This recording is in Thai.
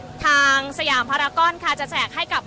อาจจะออกมาใช้สิทธิ์กันแล้วก็จะอยู่ยาวถึงในข้ามคืนนี้เลยนะคะ